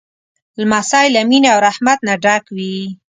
لمسی له مینې او رحمت نه ډک وي.